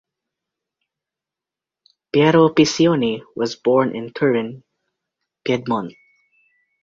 Piero Piccioni was born in Turin, Piedmont.